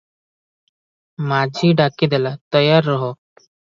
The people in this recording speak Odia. ମାଝି ଡାକି ଦେଲା, 'ତୟାରରହ' ।